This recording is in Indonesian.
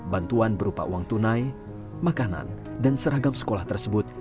bantuan berupa uang tunai makanan dan seragam sekolah tersebut